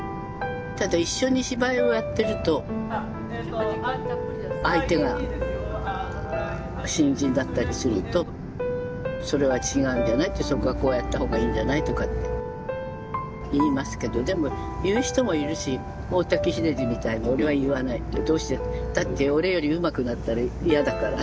ただ一緒に芝居をやってると相手が新人だったりするとそれは違うんじゃないってそこはこうやったほうがいいんじゃないとかって言いますけどでも言う人もいるし大滝秀治みたいに「俺は言わない」って「どうして？」って「だって俺よりうまくなったら嫌だから」